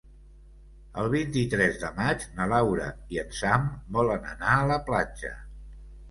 El vint-i-tres de maig na Laura i en Sam volen anar a la platja.